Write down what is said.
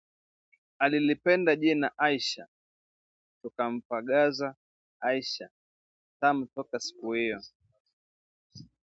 Alilipenda jina 'Aisha' tukampagaza Aisha Tamu toka siku hiyo